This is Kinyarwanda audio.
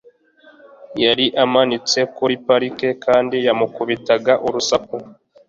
yari amanitse kuri parike kandi yamukubitaga urusaku